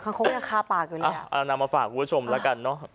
เขาก็ยังข้าปากอยู่เลยอะเอาละนั้นมาฝากคุณผู้ชมแล้วกันเนอะ